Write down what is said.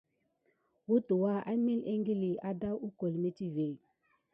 Wutəwa emilik ékili adawu gukole metivé.